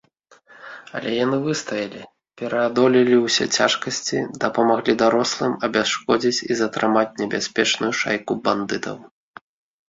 Але яны выстаялі, пераадолелі ўсе цяжкасці, дапамаглі дарослым абясшкодзіць і затрымаць небяспечную шайку бандытаў.